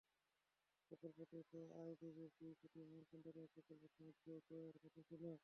প্রকল্পটিতে আইডিবির দুুুই কোটি মার্কিন ডলারের প্রকল্প সাহায্য দেওয়ার কথা ছিল।